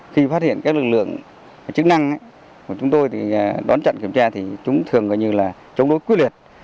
khi phát hiện các lực lượng chức năng của chúng tôi thì đón trận kiểm tra thì chúng thường gọi như là chống đối quyết liệt